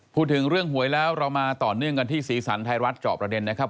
พูดถึงเรื่องหวยแล้วเรามาต่อเนื่องกันที่สีสันไทยรัฐจอบประเด็นนะครับ